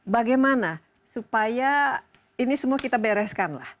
bagaimana supaya ini semua kita bereskan lah